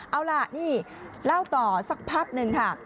เอาล่ะนี่เล่าต่อสักพักหนึ่งค่ะ